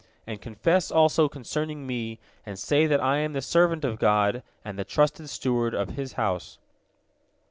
And confess also concerning me, and say that I am the servant of God and the trusted steward of His house."